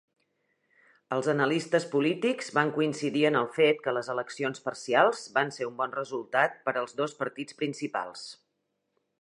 Els analistes polítics van coincidir en el fet que les eleccions parcials van ser un "bon resultat per als dos partits principals".